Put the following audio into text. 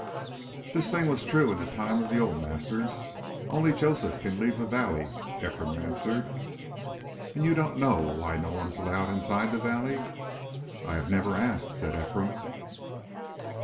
"This thing was true in the time of the old masters. Only Joseph can leave the valley," Ephraim answered. "And you don't know why no one is allowed inside the valley?" "I have never asked," said Ephraim.